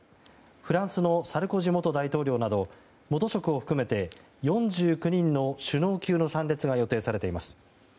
フランスのサルコジ元大統領など元職を含めて４９人の首脳級の参列が予定されています。